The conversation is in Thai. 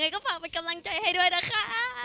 ก็ฝากเป็นกำลังใจให้ด้วยนะคะ